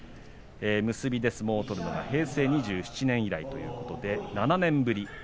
結びで相撲を取るのは平成２７年以来ということで７年ぶり。